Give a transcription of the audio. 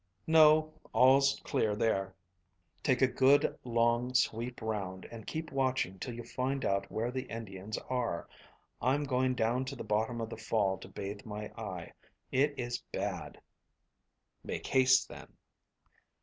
"No. All's clear there." "Take a good long sweep round and keep watching till you find out where the Indians are. I'm going down to the bottom of the fall to bathe my eye. It is bad." "Make haste, then."